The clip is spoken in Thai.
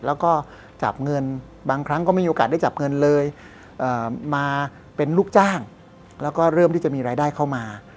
แล้วก็จับเงินบางครั้งก็ไม่มีโอกาสได้จับเงินเลยมาเป็นลูกจ้างแล้วก็เริ่มที่จะมีรายได้เข้ามา